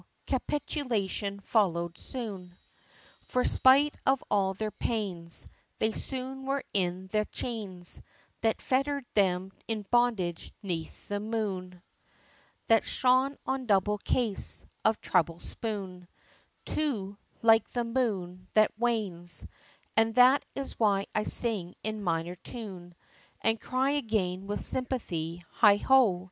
capitulation followed soon; For spite of all their pains, They soon were in the chains, That fettered them in bondage 'neath the moon, That shone on double case, of treble spoon; Too like the moon, that wanes; And that is why I sing in minor tune, And cry again with sympathy, heigho!